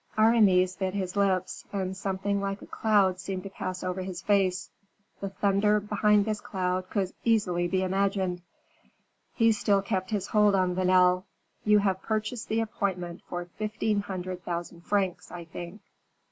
Aramis bit his lips, and something like a cloud seemed to pass over his face. The thunder behind this cloud could easily be imagined. He still kept his hold on Vanel. "You have purchased the appointment for fifteen hundred thousand francs, I think.